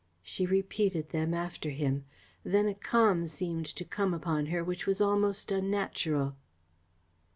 She repeated them after him. Then a calm seemed to come upon her which was almost unnatural.